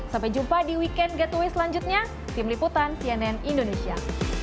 sampai jumpa di weekend getaway selanjutnya tim liputan cnn indonesia